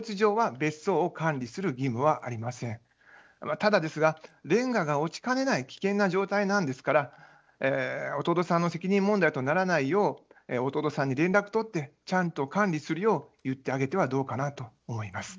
ただですがレンガが落ちかねない危険な状態なんですから弟さんの責任問題とならないよう弟さんに連絡取ってちゃんと管理するよう言ってあげてはどうかなと思います。